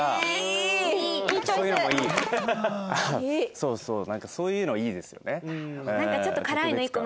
そうそうなんかそういうのいいですよね。